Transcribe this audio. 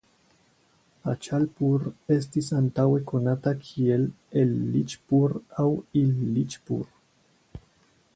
Aĉalpur estis antaŭe konata kiel Elliĉpur aŭ Illiĉpur.